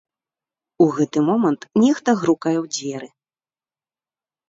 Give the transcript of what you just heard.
У гэты момант нехта грукае ў дзверы.